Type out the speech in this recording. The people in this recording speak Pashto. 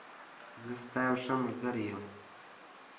زه ستا یوښه ملګری یم.